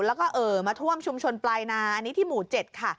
แล้วก็เอ่อมาท่วมชุมชนปลายนาอันนี้ที่หมู่๗ค่ะ